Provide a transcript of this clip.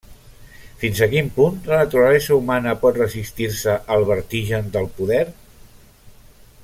Fins a quin punt la naturalesa humana pot resistir-se al vertigen del poder?